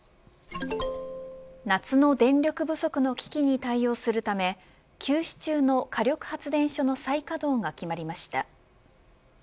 夏の電力不足の危機に対応するため休止中の火力発電所の再稼働が決まりました。